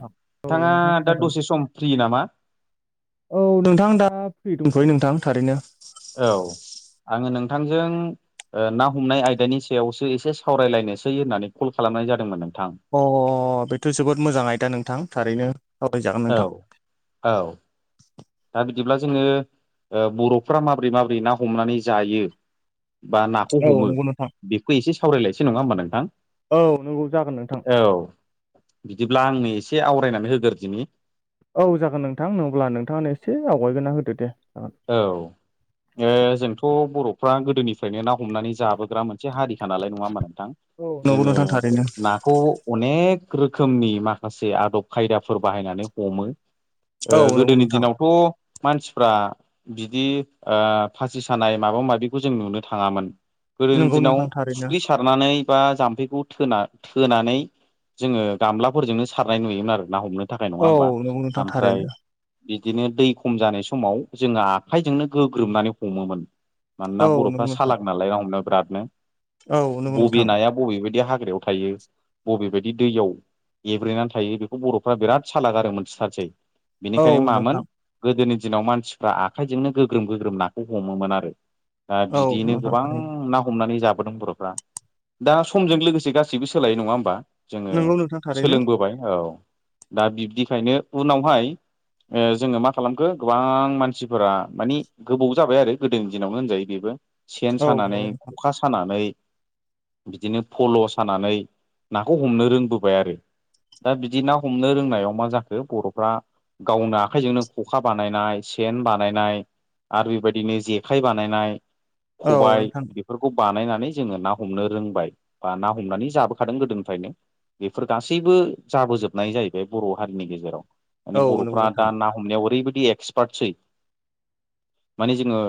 औ नोंथाङा नोंथां दा खोनादों दसे सम फ्रि नामा औ नोंथां दा फ्रि दंथनोंथां थारैनो औ आङो नोंथांजों ओ ना हमनाय आयदानि सायावसो एसे सावरायलायनोसै होननानै कल खालामनाय जादोंमोन नोंथां। अ बेथ' जोबोद मोजाङ आयदा नोंथां थारैनो। सावरायजागोन नोंथां औ औ। दा बिदिब्ला जोङो बर'फ्रा माबोरै माबोरै ना हमनानै जायो बा ना औ हमो नंगौ नोंथां बेखौ एसे सावरायलायसै नङा होमबा नोंथां? औ नंगौ जागोन नोंथां औ। बिदिब्ला आंनो एसे आवरायनानै होग्रो दिनि औ जागोन नोंथां नङब्ला नोंथाङनो एसे आवगायगोना होदो दे जागोन औ। जोंथ' बर'फ्रा गोदोनिफ्रायनो ना हमनानै जाबोग्रा मोनसे हारिखा नालाय नङा हा नोंथां? औ नंगौ जोङो नोंथां थारैनो ना खौ अनेक रोखोमनि माखासे आदब खायदाफोर बाहायनानै हमो औ नंगौ गोदोनि नोंथां दिनावथ' मानसिफ्रा बिदि फासि सानाय माबा माबिखौ जों नुनो थाङामोन गोदोनि नंगौ दिनाव नोंथां थारैनो फुख्रि सारनानै बा जाम्फैखौना थोना- थोनानै जोङो गामलाफोरजोंनो सारनाय नुयोमोन आरो ना हमनो थाखाय नङा औ होमबा? नंगौ नोंथां ओमफ्राय थारैनो बिदिनो दै खम जानाय समाव जोङो आखाइजोंनो गोग्रोमनानै हमोमोन। मानोना औ बर'फ्रा नंगौ नोंथां सालाग नालाय हमनोाव बिरादनो औ नंगौ बबे नोंथां नाया बबेबायदि हाग्रायाव थायो बबेबायायदि दैयाव एब्रेनानै थायो बेखौ बर'फ्रा बिराद साला गार मोनथिथारसै औ बेनिखायनो नोंथां मामोन गोदोनि दिनाव मानसिफ्रा आखाइजोंनो गोग्रोम गोग्रोम नाखौ हमोमोन आरो। दा औ बिदियैनो नोंथां गोबां थारैनो ना हमनानै जाबोदों बर' दा समजों लोगोसे गासैबो सोलायो नङा होमबा जोङो नंगौ नोंथां थारैनो सोलोंबोबाय औ। दा बिब्दिखायनो उनावहाय जोङो मा खालामखो गोबां मानसि मानसिफोरा मानि गोबाव जाबाय आरो गोदोनि दिनावनो होनजायो बेबो सेन औ नंगौ सानानै खखा स सानानै बिदिनो फल' सानानै नाखौ हमनो रोंबोबाय आरो। दा बिदि ना हमनो रोंनायाव मा जाखो बर'फ्रा गावनो आखाइजोंनो खखा बानायनाय सेन बानायनाय आरो बेबायदिनो जेखाइ बानायनाय नोंथां औ खबाय नोंथां बेफोरखौ बानायनानै जोङो ना हमनो रोंबाय बा ना हमनानै जाबोखादों गोदोनिफ्रायनो। बेफोर गासैबो जाबोजोबनाय जाहैबाय बर' हारिनि गेजेराव माने औ नंगौ बर'फ्रा नोंथां दा ना हमनायाव ओरैबायदि एक्सपार्टसै माने जोङो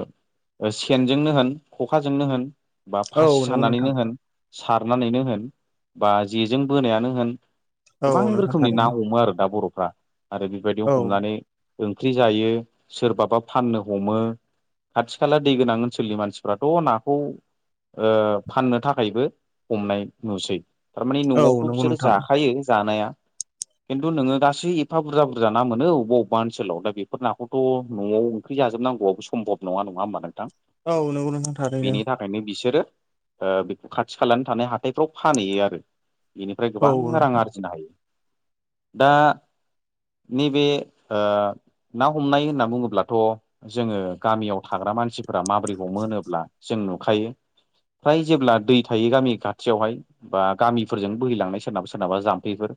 सेनजोंनो होन खखाजोंनो होन बा औ फासि नंगौ नोंथां सानानैनो होन सारनानैनो होन बा जेजों बोनायानो होन औ गोबां नोंथां रोखोमनि ना थारैनो हमो आरो दा बर'फ्रा आरो बेबायदियाव औ हमनानै ओंख्रि जायो। सोरबाबा फाननो हमो खाथि खाला दै गोनां ओनसोलनि मानसिफ्राथ' नाखौ ओ फाननो थाखायबो हमनाय नुसै थारमानि औ न'आवथ' नंगौ बिसोर नोंथां जाखायो जानाया खिन्थु नोङो गासै एफा बुरजा बुरजा मोन अबा अबेबा ओनोलाव दा बेफोर नाखौ थ' न'आव ओंख्रि जाजोबनांगौआबो सम्भब नङा नङा होमबा नोंथां। औ नंगौ नोंथां थारैनो ओंखायनो बिसोरो बेखौ खाथि खानि थानाय हाथायफ्राव फानहैयो आरो बेनिफ्राय औ गोबां रां नोंथां आरजिनो हायो। दा‌ नैबे ओ ना हमनाय होनना बुङोब्लाथ' जोङो गामियाव थाग्रा मानसिफोरा माब्रैखौ मोनोब्ला जों नुखायो फ्राय जेब्ला दै थायो गामि खाथियावहाय बा गामिफोरजों बोहैलांनाय सोरनाबा सोरनाबा जाम्फैफोर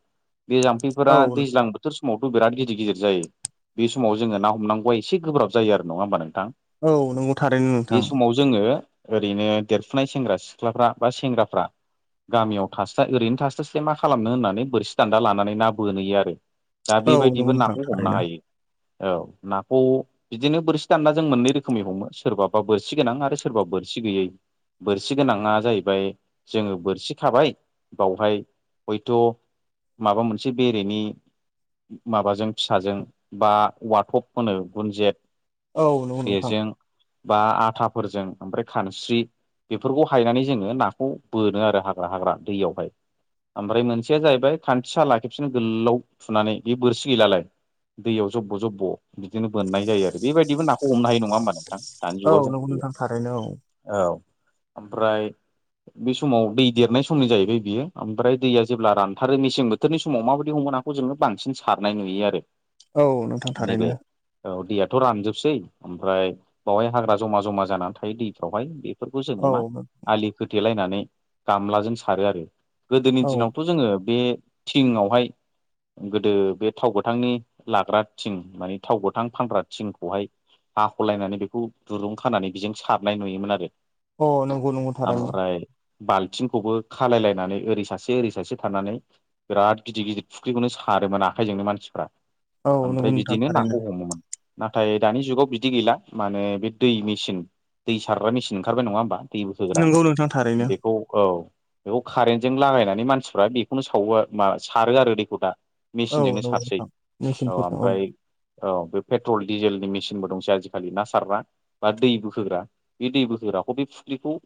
बे जाम्फै औ फोरा दैज्लां बोथोर समावथ' बिराद गिदिर गिदिर जायो। बे समाव जोङो ना हमनांगौआ एसे गोब्राब जायो आरो नङा होमबा नोंथां। औ नंगौ थारैनो बे नोंथां। समाव जोङो ओरैनो देरफुनाय सेंग्रा सिख्लाफ्रा बा सेंग्राफ्रा गामियाव थास्ला ओरैनो थास्लायस्लाय मा खालामनो होननानै बोरसि दान्दा लानानै ना बोनहोयो आरो। दा औ नंगौ बेबायदिबो नोंथां नाखौ हमनो थारैनो हायो औ नाखौ बिदिनो बोरसि दानना जों मोननै रोखोमै हमो सोरबाबा बोरसि गोनां आरो सोरबा बोरसि गैयै बोरसि गोनाङा जाहैबाय जोङो बोरसि खाबाय बावहाय हयथ' माबा मोनसे बेरेनि माबाजों फिसाजों बा औवाथब होनो गुनजेत औ नंगौ नोंथां बेजों बा आथाफोरजों ओमफ्राय खानस्रि बेफोरखौ हायनानै जोङो नाखौ बोनो आरो हाग्रा-हाग्रा दैयावहाय ओमफ्राय मोनसेया जाहैबाय खान्थिसाला खेबसिनो गोलाव थुनानै बे बोरसि गैलालाय। दैयाव जब्ब' जब्ब' बिदिनो बोननाय जायो आरो बेबायदिबो नाखौ हमनो हायो नङा नङा होमबा नोंथां दानि औ जुगाव जों नंगौ नोंथां थारैनो [unintelligible] औ ओमफ्राय बे समाव दै देरनाय समनि जाहैबाय बियो ओमफ्राय दैया जेब्ला रानथारो मेसें बोथोर बोथोरनि समाव माबायदि हमो नाखौ जोङो बांसिनारनाय नुयो आरो औ नोंथां थारैनो नैबे औ दैयाथ' रानजोबसै ओमफ्राय बावहाय हाग्रा जमा-जमा जानानै थायो दैफ्रावहाय बे बेफोरखौ जोङो औ मा आलि खोथेलायनानै गामलाजों सारो आरो गोदोनि औ दिनावथ' जोङो बे थिंआवहाय गोदो बे थाव गोथांनि लाग्रा थिं माने थाव गोथां फानग्रा थिंखौहाय हाख'लायनानै बेखौ दुरुं खानानै बेजों सारनाय नुयोमोन आरो। अ नंगौ नंगौ थारैनो आमफ्राय बाल्थिंखौबो खालायलायनानै ओरै सासे ओरै सासे थानानै बिराद गिदिर गिदिर फुख्रिखौनो सारोमोन आखाइजोंनो मानसिफोरा औ नंगौ ओमफ्राय नोंथां बिदिनो थारैनो नाखौ हमोमोन नाथाय दानि जुगाव बिदि गैला माने बे दै मेचिन दै सारग्रा मेसिन ओंखारबाय नङा होमबा दै बोखोग्रा नंगौ नोंथां थारैनो बेखौ औ बेखौ कारेन्टजों लागायनानै मानसिफ्रा बेखौनो सावा मा सारो आरो दैखौ दा औ मेसिनजोंनो नंगौ सारसै नोंथां औ मेसिनफोरजों ओमफ्राय औ बे पेट्रल डिजेलनि मेसिनबो दंसै आजिखालि ना सारबा बा दै बोखोग्रा बे दै बोखोग्राखौ बे फुख्रिखौ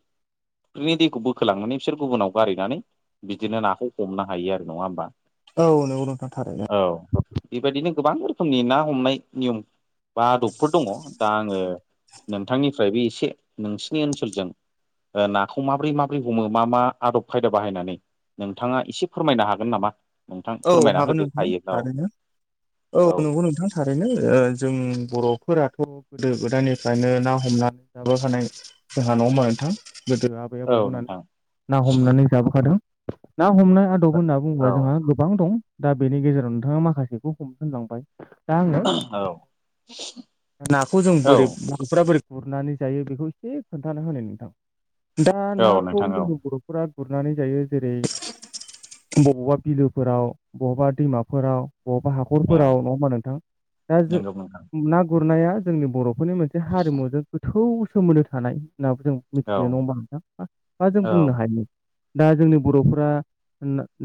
बिनि दैखौ बोखोलांनानै बिसोर गुबुनाव गारैनानै बिदिनो नाखौ हमनो हायो आरो नङा होमबा औ नोंगौ नोंथां थारैनो औ बेबायदिनो गोबां रोखोमनि ना हमनाय नियम बा डक्टर दङ दा आङो नोंथांनिफ्रायबो एसे नोंसिनि ओनसोलजों ओ नाखौ माबोरै माबोरै हमो मा मा आदब खायदा बाहायनानै नोंथाङा एसे फोरमायनो हागोन नामा नोंथां औ फोरमायना हागोन होदो नोंथां हायोब्ला औ हागोनना औ नंगौ नोंथां थारैनो ओ जों बर'फोराथ' गोदो गोदायनिफ्रायनो ना हमनानै जाबोखानाय जोंहा नङा होमबा नोंथां गोदो आब बौ औ मोना नोंथां ना हमनानै जाबोखादों ना हमनाय आदब होनना बुङोबा औ जोंहा गोबां दं दा बेनि गेजेराव नोंथाङा माखासेखौ बहुथ होनलांबाय दा आङो औ नाखौ जों औ बोरै बर'फ्रा बोरै गुरनानै जायो बेखौ एसे खोन्थाना होनो नोंथां दा औ नाखौ नोंथां औ जोंनि बर' फोरा गुरनानै जायो जेरै बबावबा बिलो फोराव बबावबा दैमाफोराव बबबा औ हाखरफोराव नङा होमबा नोंथां दा जों नंगौ नोंथां ना गुरनाया जोंनि बर' बेफोरनि मोनसे हारिमुजों गोथौ सोमोन्दो थानाय होननाबो जों औ मिथियो नङा होनबा नोंथां दा जों बुंनो औ हायो दा जोंनि बर'फोरा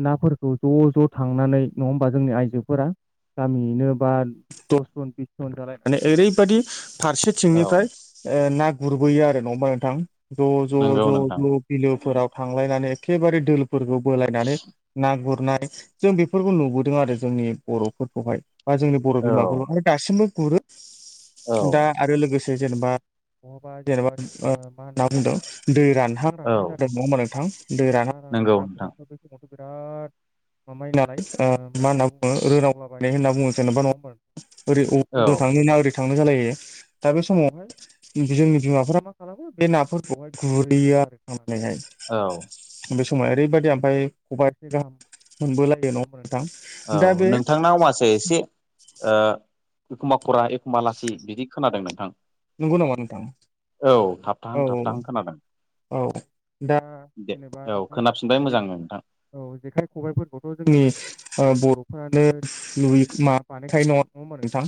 नाफोरखौ ज' ज' थांनानै नङा होमबा जोंनि आइजोफोरा गामियैनो बा दसजन बिस जन जालायनानै माने ओरैबदि औ फारसेथिंनिफ्राय ना गुरबोयो आरो नङा होमबा नोंथां ज' ज' नंगौ ज' नोंथां ज' बिलोफोराव थांलायनानै एखेबारे दफोरखौ बोलायनानै ना गुरनानै जों बेफोरखौ नुबोदों आरो जोंनि बर'फोरखौहाय बा जोंनि बर' औ बिमाफोरखौ दासिमबो गुरो औ दा आरो लोगोसे जेनेबा बहाबा जेनेबा मा होनना बुंदों दै रानहाब औ रानां जादों नङा होमबा नोंथां दै राना रानां नंगौ नोंथां नाफोरााना ब समावथ' बिराद माबाय नालाय मा होन्ना बुङो रावलाबायनाय होनना बुङो जेनेबा नङामोन औ ओरैबेबा जों थांनो ना ओरै थांनो जालायो दा बे समावहाय जोंनि बिमाफ्रा मा खालामो बे नाफोरखौहाय गुरहैयो आरो खनानैहाय औ बे समाव ओरैबायदि ओमफाय खबाय से गाहाम मोनबोलायो नङा होनबा नोंथां दा औ बे नोंथांनाव आवासा एसे ओ एखमबा खरा एखमबा लासि बिदि खोनादों नोंथां नोंगौ नामा नोंथां औ औ थाबथाहां औ थाबथाहां खोनादों औ दा दे जेनेबा औ नोंथां खोनाफिनबाय मोजां नोंथां औ जेखाइ खबाइफोरखौथ' जोंनि बर'फोरानो लुै माबा बानायखाय न'आव दङ आरो नोंथां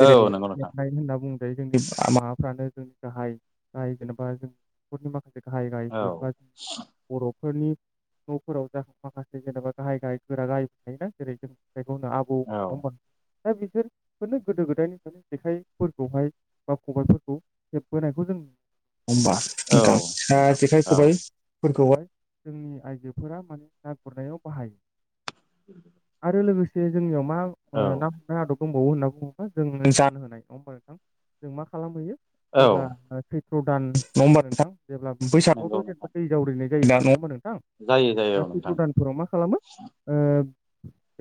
जेरै औ नंगौ नोंथां माइ होनना बुङो जोंनि माबाफ्रानो जोंनि गाहाय गाहाय जेनेबा जों न'खरनि माखासे गाय औ गायफोर ब बर' फोरनि न'फोराव ज माखासे जेनेबा गाहाय गाहाय गोरा गाहायबाय थायोना जेरै जों जेायखौनो आबौ औ नबा दा बिसोरफोरनो गोदो गोदायनिफ्राय जेखाइफोरखौहाय बा खबायफोरखौ हेबबोनायखौ जों होमबा औ नोंथां ओ नोंथां जेखाय औ खबाइ फोरखौहाय जोंनि आइजोफोरा माने ना गुरनायाव बाहायो [unintelligible] आरो लोगोसे जोंनियाव मा औ ना हमनाय आदब दंबावो होनना बुङोबा जों जान होनाय नबा नोंथां जों मा खालामहैयो औ जेब्ला सैथ्र' दान नम्बार नोंथां जेब्ला नंगौ बैसागआवथ' जेनेबा नोंथां दै जावरिनाय जायो ना नङा होनबा नोंथां जायो जायो दा औ खि नोंथां [unintelligible] फोराव मा खालामो ओ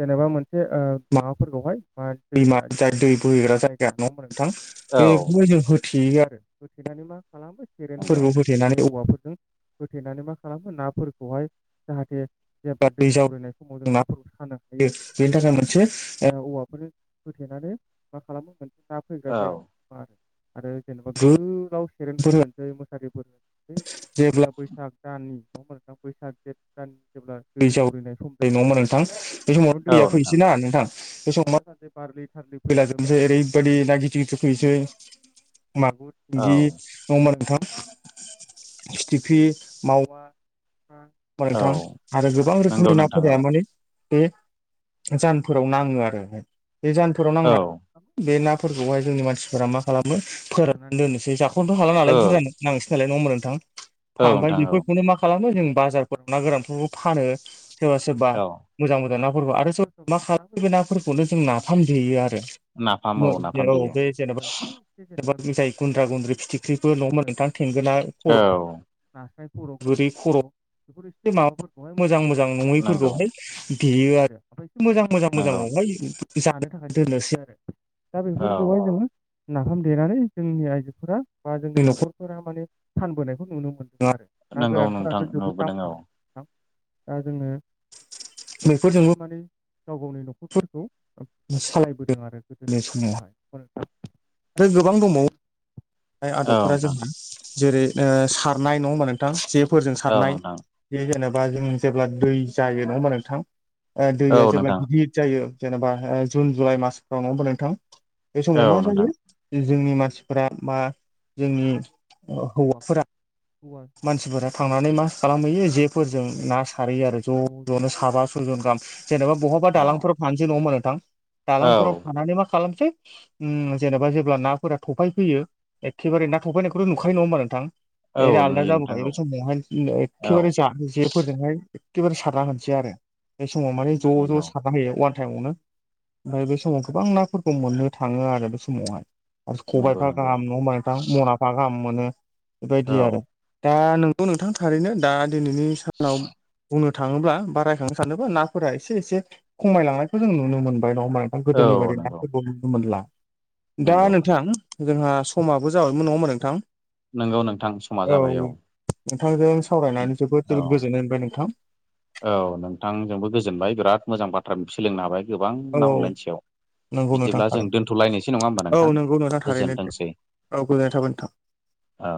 जेनेबा मोनसे ओ माबाफोरखौहाय मा दैमा दै बोहैग्रा जायगा नङा होमबा नोंथां औ बे जों होथेयो आरो होथेनानै मा खालामो सेरेन नंगौ [unintelligible] फेनानै औवाफोरजों होथेनानै मा खालामो नाफोरखौहाय जाहाथे जेनेबा दै जावरिनाय समाव जों नाफोरखौ सानो हायो बेनि थाखाय मोनसे औवाफोर होथेनानै मा खालामो मोन ना फैग्रा औ जायगा मा आरो जेनेबा गोलाव सेरेनफोर होनानै मुसारिफोर जेब्ला बैसाग दाननि [unintelligible] बैसाग [unintelligible] दै जावरिनाय नङा होनबा नोंथां? बे समाव दैया फैनोसै ना नोंथां बे समाव मा [unintelligible] फैला जोबनोसै ओरैबायदि ना गिदिर गिदिर फैसै मागुर सिंगि औ नङा होनबा नोंथां फिथिफ्रि मावा औ नोंथां आरो गोबां नंगौ रोखोमनि नोंथां औ नाफोरा माने बे जानफोराव नाङो आरो बे जानफोराव औ नांनानै बे नाफोरखौहाय जोंनि मानसिफोरा मा खालामो फोराननानै दोननोसै जाख'नोथ' हाला औ नालाय बुरजानो नांसै नालाय नङमोन नोंथां औ ओमफ्राय नोंथां औ बेफोरखौनो मा। खालामो जों बाजारफोराव ना गोरानफोरखौ फानो सोरबा सोरबा औ मोजां मोजां नाफोरखौ आरो सोर सोर मा खालामो बे नाफोरखौनो जों नाफामदेयो आरो। नाफाम औ नाफाम देयो [unintelligible] जेनेबा [unintelligible] जाय गुन्द्रा गुन्द्रि फिथिख्रिबो नङा होनबा नोंथां थेंगोना औ खर' नास्राय खर' गोरै खर' बेफोर एसे माबाफोरखौहाय मोजां मोजां नंगौ नङैफोरखौहाय। बेयो आरो ओमफ्राय मोजां मोजां नंगौ मोजाङावहाय जानो थाखाय दोननोसै आरो। दा औ बेफोरखौहाय जोङो। नाफाम देनानै जोंनि आइजोफोरा बा जोंनि न'खरफोरा माने फानबोनायखौ नुनो मोनदों आरो। ना नंगौ नोंथां गोरानफोराथ' जोबोद [unintelligible] नुबोदों औ दा जोङो। बेफोरजोंबो माने गाव गावनि न'खरफोरखौ। सालायबोदों आरो गोदोनि समावहाय। आरो गोबां दङ औ आदबफोरा नोंथां जोंहा जेरै सारनाय नङा होनबा। नोंथां जेफोरजों औ सारनाय नोंथां जे जेनेबा जों जेब्ला दै जायो नङा होमबा नोंथां। ओ औ दैया जेब्ला नोंथां गिदिर जायो जेनेबा जुन जुलाइ मासफ्राव ना होमब्ला नोंथां। बे समाव औ मा नोंथां जायो जोंनि मानसिफोरा बा जोंनि हौवाफोरा मानसिफोरा थांनानै मा खालामहैयो जेफोरजों ना सारहैयो आरो ज' ज'नो साबा सयजन गाहाम जेनेबा बहाबा औ दालांफोराव फानोसै नङा मा नोंथां औ दालांफोराव फाननानै मा खालामसै। जेनेबा जेब्ला नाफोरा थफाय फैयो। एखेबे ना थफैनायखौथ' नुखायो नङ होमबा नोंथां। औ एरै आलादा नुयो नोंथां जाबोखायो औ बे समनिावहाय औ एखेबारे जानो जेफोरजोंहाय। एखेबारे सारना होनोसै आरो बे समाव माने ज' ज' नंगौ सार बाहायो अवान टाइमावनो ओमफ्राय बे समाव गोबां नाफोरखौ मोननो थाङो आरो बे समावहाय। आरो नंगौ खबायफा नंगौ गाहाम नङा होमबा नोंथां मनाफा गाहाम मोनो औ बेबायदि आरो। दा नोंगौ नोंथां थारैनो दा दिनैनि सानाव बुंनो। थाङोब्ला बा रायखांनो सानोबा नाफोरा एसे एसे खमायलांनायखौ जों नुनो मोनबाय नङा होनबा। आं गोदोनि औ बारै नंगौ नाखबाव नुनो मोनला दा नंगौ नोंथां। जोंहा समाबो जाबायमोन नङामा नोंथां। नंगौ नोंथां समा औ जाबाय नोंथांजों सावरायनानै जोबोद औ जोबोद गोजोननाय मोनबाय नोंथां। औ नोंथांजोंबो गोजोनबाय बिराद मोजां बाथ्रा सोलोंनो हाबाय गोबां औ ना हमनायनि सायाव। नंगौ नोंथां बिदिब्ला जों थारैनो दोन्थ'लायनोसै नङा होमबा औ नोंथां नंगौ थारैनो दे गोजोनथोंसै औ गोजोननाय थाबाय नोंथां औ।